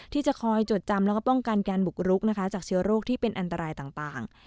ที่จะคอยจดจำแล้วก็ป้องกันการบุกรุกนะคะจากเชื้อโรคที่เป็นอันตรายต่าง